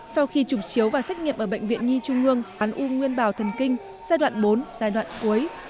sau khi chụp chiếu và xét nghiệm ở bệnh viện nhi trung ương án u nguyên bào thần kinh giai đoạn bốn giai đoạn cuối